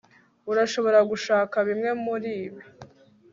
Urashobora gushaka bimwe muribi